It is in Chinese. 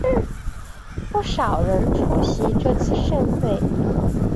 不少人出席这次盛会。